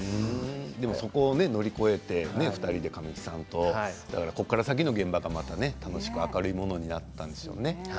そこを乗り越えて２人で神木さんと、ここから先の現場がまた楽しく明るいものになったんでしょうね。